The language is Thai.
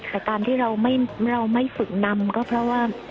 แต่การที่เราไม่ฝึกนำก็เพราะว่า